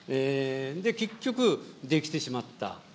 結局、出来てしまった。